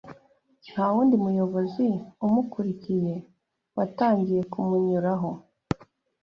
nta wundi muyobozi umukurikiye watangiye kumunyuraho